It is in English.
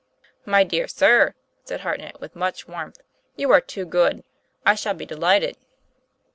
'My dear sir," said Hartnett with much warmth, 'you are too good; I shall be delighted.